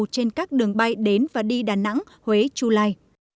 trên các đường bay đến và đi đà nẵng huế chu lai